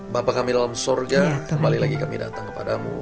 bapak kami dalam sorga kembali lagi kami datang kepadamu